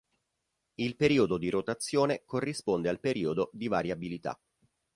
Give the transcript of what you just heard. Il periodo di rotazione corrisponde al periodo di variabilità.